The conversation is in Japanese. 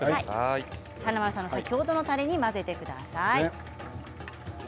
華丸さんが先ほどのたれに混ぜてください。